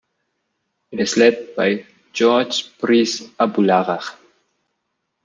It is led by Jorge Briz Abularach.